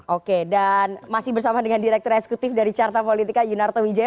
oke dan masih bersama dengan direktur eksekutif dari carta politika yunarto wijaya